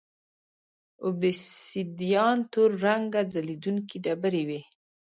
اوبسیدیان تور رنګه ځلېدونکې ډبرې وې